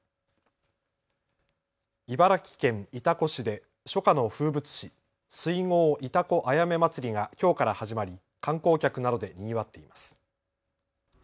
茨城県潮来市で初夏の風物詩、水郷潮来あやめまつりがきょうから始まり観光客などでにぎわっています。